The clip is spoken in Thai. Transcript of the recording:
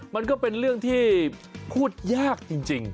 มันก็เป็นเรื่องที่พูดยากจริง